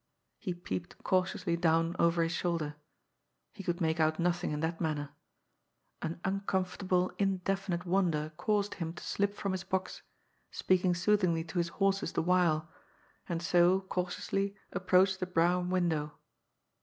He peeped cautiously down over his shoulder. He could make out nothing in that manner. An uncomfortable, in definite wonder caused him to slip from his box, speaking soothingly to his horses the while, and so cautiously ap proach the brougham window.